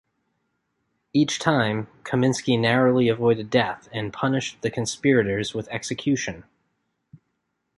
Each time, Kaminski narrowly avoided death and punished the conspirators with execution.